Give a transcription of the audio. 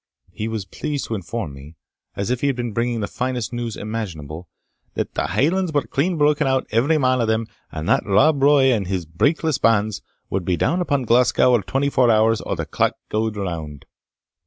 He was pleased to inform me, as if he had been bringing the finest news imaginable, "that the Hielands were clean broken out, every man o' them, and that Rob Roy, and a' his breekless bands, wad be down upon Glasgow or twenty four hours o' the clock gaed round."